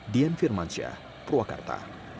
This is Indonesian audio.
dian firmansyah purwakarta